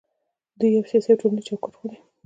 دوی یو سیاسي او ټولنیز چوکاټ غواړي.